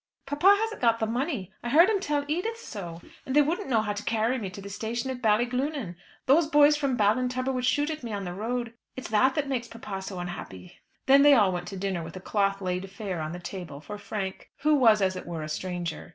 "Papa hasn't got the money; I heard him tell Edith so. And they wouldn't know how to carry me to the station at Ballyglunin. Those boys from Ballintubber would shoot at me on the road. It's that that makes papa so unhappy." Then they all went to dinner with a cloth laid fair on the table, for Frank, who was as it were a stranger.